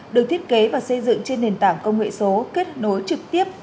được thiết kế và xây dựng trên nền tảng công nghệ số kết nối trực tiếp